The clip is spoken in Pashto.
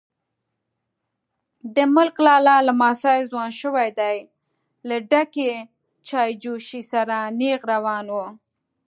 _د ملک لالا لمسی ځوان شوی دی، له ډکې چايجوشې سره نيغ روان و.